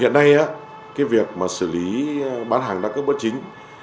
hiện nay cái việc mà xử lý bán hàng đa cấp bất chính